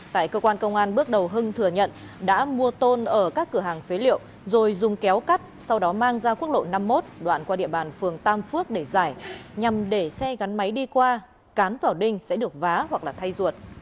tại cơ quan công an bước đầu hưng thừa nhận đã mua tôn ở các cửa hàng phế liệu rồi dùng kéo cắt sau đó mang ra quốc lộ năm mươi một đoạn qua địa bàn phường tam phước để giải nhằm để xe gắn máy đi qua cán vào đinh sẽ được vá hoặc thay ruột